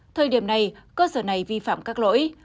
thời điểm này cơ sở này vi phạm các lỗi